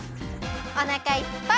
おなかいっぱい！